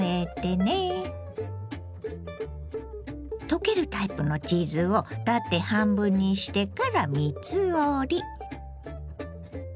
溶けるタイプのチーズを縦半分にしてから３つ折り。